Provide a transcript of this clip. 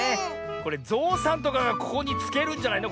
これぞうさんとかがここにつけるんじゃないの？